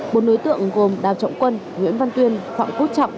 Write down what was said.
một đối tượng gồm đàm trọng quân nguyễn văn tuyên phạm quốc trọng